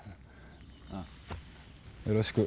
あよろしく。